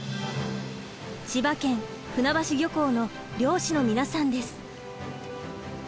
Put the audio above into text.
千葉県船橋漁港の漁師の皆さんです。